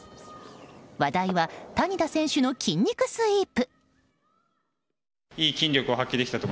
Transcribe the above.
話題は谷田選手の筋肉スイープ。